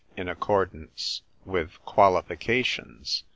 in accordance . with qualifications."